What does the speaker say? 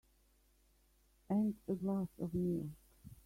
And a glass of milk.